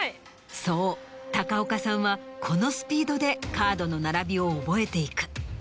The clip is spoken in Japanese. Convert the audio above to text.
そう高岡さんはこのスピードでカードの並びを覚えていく。